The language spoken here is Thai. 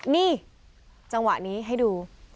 นี่จังหวะนี้ให้ดู